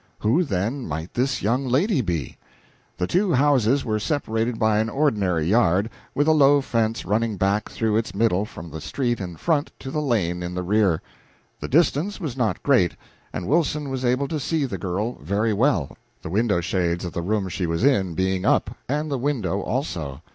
Who, then, might this young lady be? The two houses were separated by an ordinary yard, with a low fence running back through its middle from the street in front to the lane in the rear. The distance was not great, and Wilson was able to see the girl very well, the window shades of the room she was in being up, and the window also.